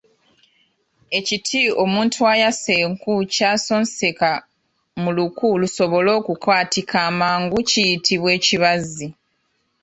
Ekiti omuntu ayasa enku ky'asonseka mu luku lusobole okwatika amangu kiyitibwa ekibaazi.